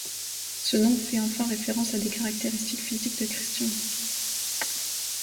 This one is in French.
Ce nom fait enfin référence à des caractéristiques physiques de Christian Beck.